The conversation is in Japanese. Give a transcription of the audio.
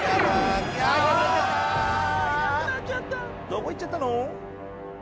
どこ行っちゃったの？